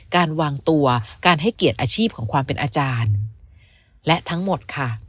การวางตัวการให้เกียรติอาชีพของความเป็นอาจารย์และทั้งหมดค่ะ